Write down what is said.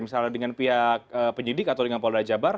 misalnya dengan pihak penyidik atau dengan pak wadah jabar